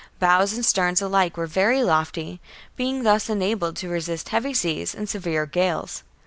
Bows and sterns alike were very lofty, being thus enabled to resist heavy seas and severe gales.